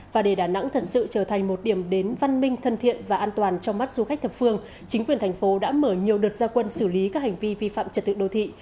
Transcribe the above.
và để đà nẵng thật sự trở thành một điểm đến văn minh thân thiện và an toàn trong mắt du khách thập phương chính quyền thành phố đã mở nhiều đợt gia quân xử lý các hành vi vi phạm trật tự đô thị